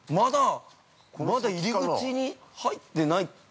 ◆まだ入り口に入ってない。